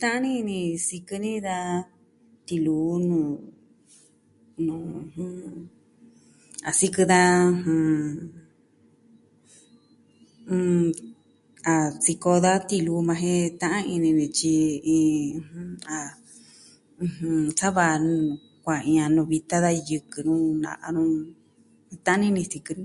Ta'an ini ni sikɨ ni da tiluu nuu a sikɨ da... a sikɨ da tiluu yukuan jen ta'an ini ni tyi, i... a ɨjɨn, sa va nuu kua iin a nuu vitan da yɨkɨ nu na'a nu, ta'an ini ni sikɨ ni.